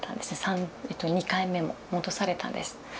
２回目も戻されたんです。